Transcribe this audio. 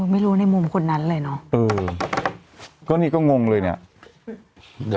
ไม่รู้ในมุมคนนั้นเลยเนอะเออก็นี่ก็งงเลยเนี่ย